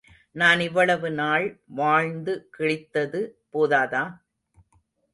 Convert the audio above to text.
நான் இவ்வளவு நாள் வாழ்ந்து கிழித்தது போதாதா?